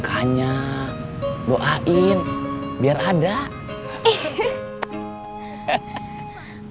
kita sampe protect kamar